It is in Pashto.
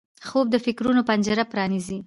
خوب د فکرونو پنجره پرانیزي